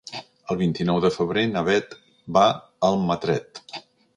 El vint-i-nou de febrer na Bet va a Almatret.